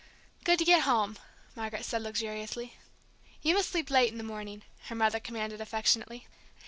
"Good to get home!" Margaret said luxuriously. "You must sleep late in the morning," her mother commanded affectionately.